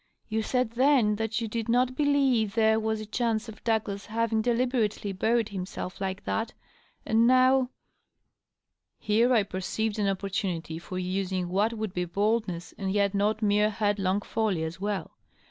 You said then that you did not believe there was a chance of Douglas having delib erately buried himself like that. And now " Here I perceived an opportunity for using what would be boldness and yet not mere headlong folly as well.